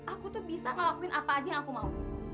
aku tuh bisa ngelakuin apa aja yang aku mau